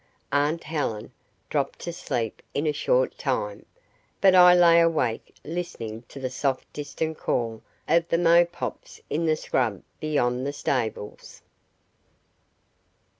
Aunt Helen dropped to sleep in a short time; but I lay awake listening to the soft distant call of the mopokes in the scrub beyond the stables.